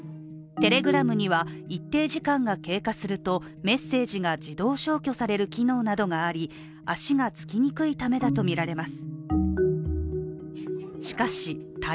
Ｔｅｌｅｇｒａｍには、一定時間が経過するとメッセージが自動消去される機能などがあり足がつきにくいためだとみられます。